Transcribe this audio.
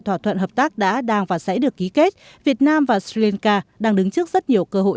thỏa thuận hợp tác đã đang và sẽ được ký kết việt nam và sri lanka đang đứng trước rất nhiều cơ hội